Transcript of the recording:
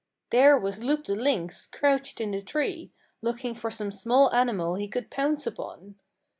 There was Loup the Lynx crouched in the tree, looking for some small animal he could pounce upon.